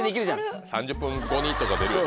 ３０分後にとか出るよね。